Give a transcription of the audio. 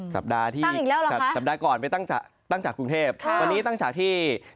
สัปดาห์ที่สัปดาห์ก่อนไปตั้งฉากกรุงเทพฯวันนี้ตั้งฉากที่ตั้งอีกแล้วเหรอคะ